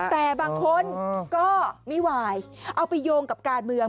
แต่บางคนก็ไม่ไหวเอาไปโยงกับการเมือง